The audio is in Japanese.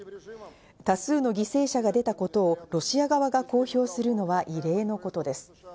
多数の犠牲者が出たことを、ロシア側が公表するのは異例のことです。